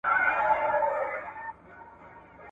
موږ له تېرې میاشتې راهیسې په دې پروژه کار کوو.